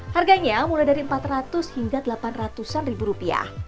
harganya mulai dari empat ratus hingga delapan ratus rupiah